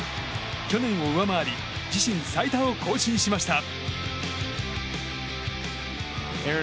去年を上回り自身最多を更新しました。